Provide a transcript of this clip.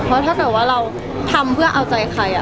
เพราะถ้าเกิดว่าเราทำเพื่อเอาใจใคร